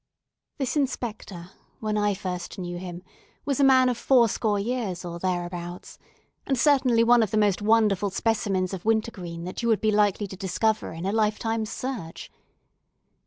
This Inspector, when I first knew him, was a man of fourscore years, or thereabouts, and certainly one of the most wonderful specimens of winter green that you would be likely to discover in a lifetime's search.